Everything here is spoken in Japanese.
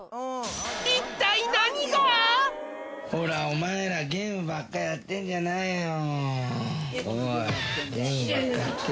おいゲームばっかやってんじゃないよ。